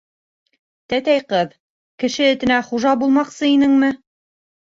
— Тәтәй ҡыҙ, кеше этенә хужа булмаҡсы инеңме?